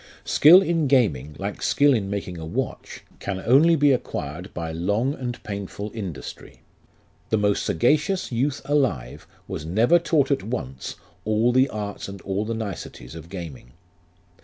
Skill in gaming, like skill in making a watch, can only be acquired by long and painful industry. The most sagacious youth alive was never taught at once all the arts and all the niceties of gaming.